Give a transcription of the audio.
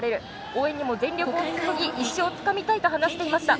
応援にも全力を尽くし１勝をつかみたいと話していました。